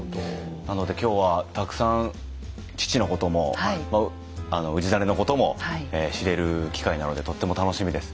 なので今日はたくさん父のことも氏真のことも知れる機会なのでとっても楽しみです。